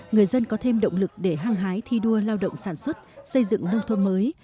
người dân có thêm động lực để hăng hái thi đua lao động sản xuất xây dựng nông thôn mới